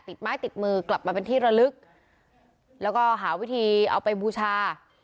ไม้ติดมือกลับมาเป็นที่ระลึกแล้วก็หาวิธีเอาไปบูชา